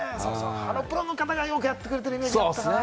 ハロプロの方がよくやってくれてるイメージがありました。